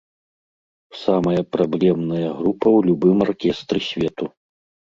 Самая праблемная група ў любым аркестры свету.